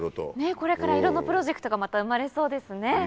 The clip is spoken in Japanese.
これからいろんなプロジェクトがまた生まれそうですね。